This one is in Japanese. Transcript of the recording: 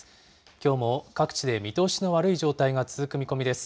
きょうも各地で見通しの悪い状態が続く見込みです。